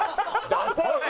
出せよ！